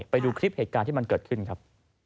ไปดูคลิปเหตุการณ์ที่มันเกิดขึ้นครับ